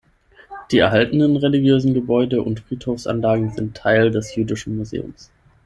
Die erhaltenen religiösen Gebäude und Friedhofsanlagen sind Teil des Jüdischen Museums.